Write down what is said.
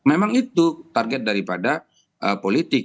memang itu target daripada politik